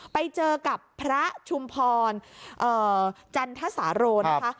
ไปเจอกับพระชุมพรจันทสาโรนะคะ